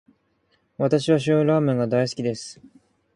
私は醤油ラーメンが大好きです。